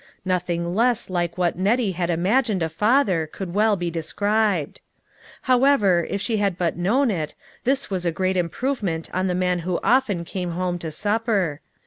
Nothing less like what Nettie had imagined a father, could well be described. However, if she had but known it, this was a great improvement on the man who often came home to supper.